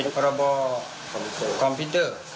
ติดประบวนคอมพิวเตอร์